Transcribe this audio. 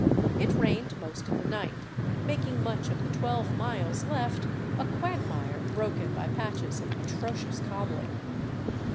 It rained most of the night, making much of the twelve miles left a quagmire broken by patches of atrocious cobbling.